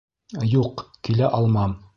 Юҡ, килә алмам.